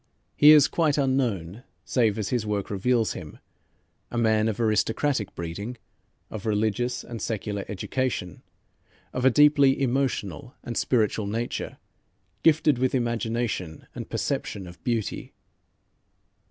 He is quite unknown, save as his work reveals him, a man of aristocratic breeding, of religious and secular education, of a deeply emotional and spiritual nature, gifted with imagination and perception of beauty.